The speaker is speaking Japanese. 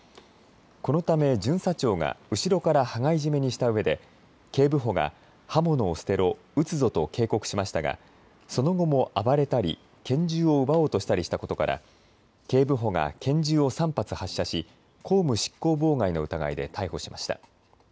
このため巡査長が後ろから羽交い締めにしたうえで警部補が刃物を捨てろ、撃つぞと警告しましたがその後も暴れたり拳銃を奪おうとしたりしたことから警部補が拳銃を３発発射し公務執行妨害の疑いで逮捕しました。